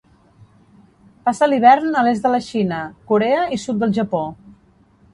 Passa l'hivern a l'est de la Xina, Corea i sud del Japó.